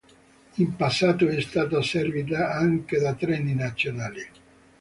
In passato è stata servita anche da treni nazionali.